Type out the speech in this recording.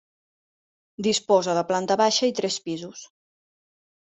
Disposa de planta baixa i tres pisos.